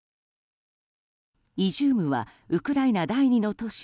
イジュームはウクライナ第２の都市